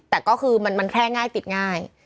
แต่ก็คือมันแพร่ง่ายติดง่าย